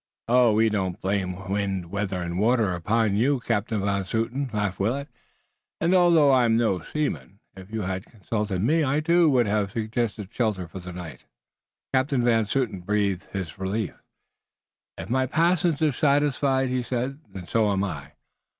"We don't blame wind, weather and water upon you, Captain Van Zouten," laughed Willet, "and although I'm no seaman if you'd have consulted me I too would have suggested shelter for the night." Captain Van Zouten breathed his relief. "If my passengers are satisfied," he said, "then so am I."